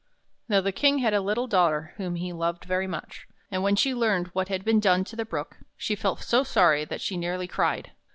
Now the King had a little daughter, whom he loved very much; and when she learned what had been done to the Brook, she felt so sorry that she nearly cried.